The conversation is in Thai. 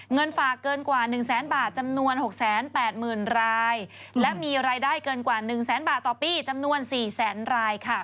เงินฝากเกินกว่าหนึ่งแสนบาทจำนวนหกแสนแปดหมื่นรายและมีรายได้เกินกว่าหนึ่งแสนบาทต่อปีจำนวนสี่แสนรายค่ะ